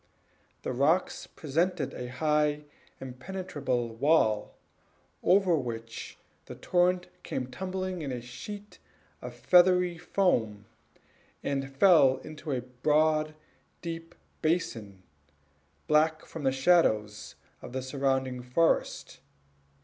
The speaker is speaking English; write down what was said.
The rocks presented a high, impenetrable wall, over which the torrent came tumbling in a sheet of feathery foam, and fell into a broad, deep basin, black from the shadows of the surrounding forest.